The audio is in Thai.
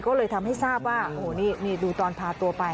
ก็เลยทำให้ทราบว่าโอ้โหนี่ดูตอนพาตัวไป